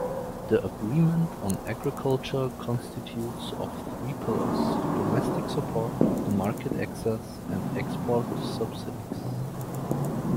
The Agreement on Agriculture constitutes of three pillars-domestic support, market access, and export subsidies.